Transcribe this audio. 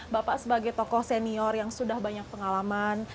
bapak sebagai tokoh senior yang sudah banyak pengalaman